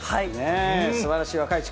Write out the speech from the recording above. すばらしい若い力。